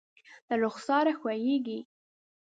له رخسار ښویېږي